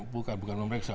bukan bukan memeriksa